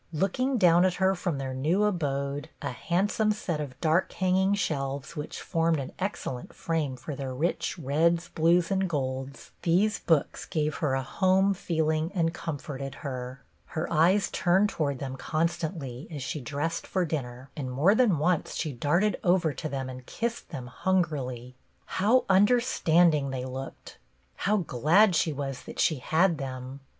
Looking down at her from their new abode, a handsome set of dark hanging shelves which formed an excellent frame for their rich reds, blues, and golds, these books gave her a home feeling and comforted her. Her eyes turned towards them constantly as she dressed for dinner, and more than once she darted over to them and kissed them hungrily. How understanding they looked ! How glad she was that she had them !